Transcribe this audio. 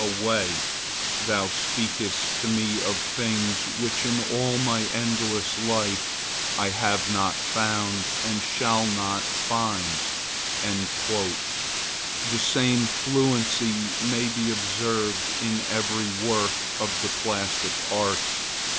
away! thou speakest to me of things which in all my endless life I have not found, and shall not find." The same fluency may be observed in every work of the plastic arts.